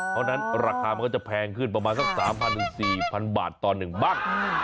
เพราะฉะนั้นราคามันก็จะแพงขึ้นประมาณสัก๓๐๐๔๐๐บาทต่อ๑บ้าง